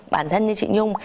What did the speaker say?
bản thân như chị nhung